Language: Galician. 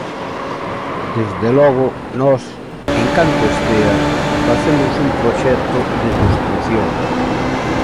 Desde logo, nós, en canto estea, facemos un proxecto de construción.